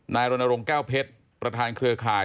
นายรณรงค์เก้าเพชร